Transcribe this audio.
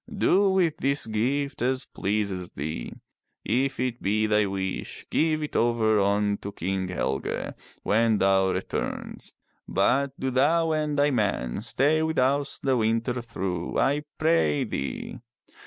" Do with this gift as pleases thee. If it be thy wish, give it over unto King Helge when thou retumest, but do thou and thy men stay with us the winter through, I pray thee.''